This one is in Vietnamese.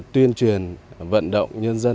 tuyên truyền vận động nhân dân